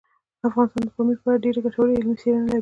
افغانستان د پامیر په اړه ډېرې ګټورې علمي څېړنې لري.